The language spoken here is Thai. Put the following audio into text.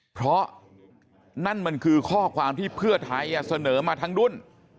เพราะนั่นมันคือข้อความที่เพื่อไทยเสนอมาทั้งรุ่น